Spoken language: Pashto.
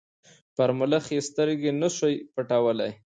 پر ملخ یې سترګي نه سوای پټولای